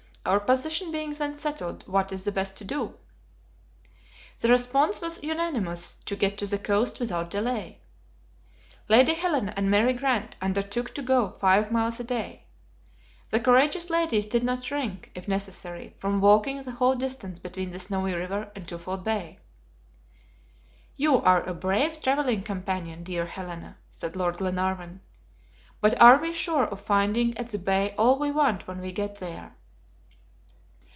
Our position being then settled, what is best to do?" The response was unanimous to get to the coast without delay. Lady Helena and Mary Grant undertook to go five miles a day. The courageous ladies did not shrink, if necessary, from walking the whole distance between the Snowy River and Twofold Bay. "You are a brave traveling companion, dear Helena," said Lord Glenarvan. "But are we sure of finding at the bay all we want when we get there?"